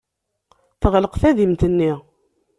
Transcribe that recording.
Teɣleq tadimt-nni.